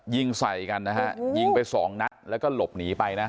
ยิงใส่กันนะฮะยิงไปสองนัดแล้วก็หลบหนีไปนะ